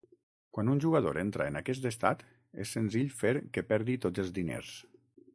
Quan un jugador entra en aquest estat, és senzill fer que perdi tots els diners.